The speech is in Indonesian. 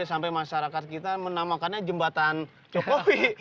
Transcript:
sampai masyarakat kita menamakannya jembatan jokowi